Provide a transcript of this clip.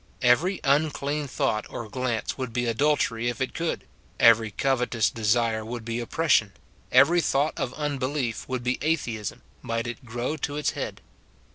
Every unclean thought or glance would be adultery if it could ; every covetous desire would be oppression, every thouglit of unbelief would be atheism, might it grow to its head.